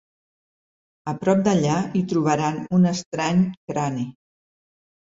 A prop d’allà, hi trobaran un estrany crani.